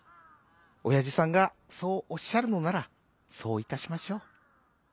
おやじさんがそうおっしゃるのならそういたしましょう」。